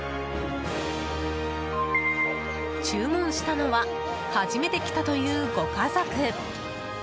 注文したのは初めて来たという、ご家族。